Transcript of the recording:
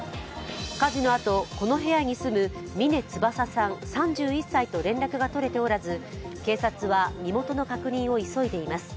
火事のあと、この部屋に住む峰翼さん３１歳と連絡が取れておらず警察は身元の確認を急いでいます。